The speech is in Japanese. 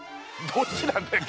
どっちなんだよ